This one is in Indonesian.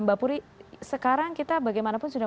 mbak puri sekarang kita bagaimanapun sudah